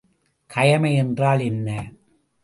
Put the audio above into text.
கயமை என்றால் என்ன?